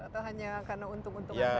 atau hanya karena untung untungan saja pasti